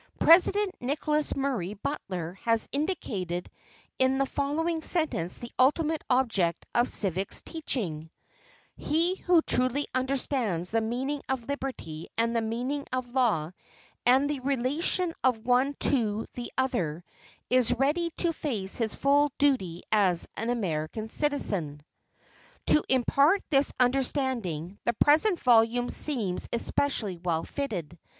President Nicholas Murray Butler has indicated in the following sentence the ultimate object of civics teaching: "He who truly understands the meaning of liberty and the meaning of law, and the relation of one to the other, is ready to face his full duty as an American citizen." To impart this understanding, the present volume seems especially well fitted.